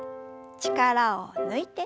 力を抜いて。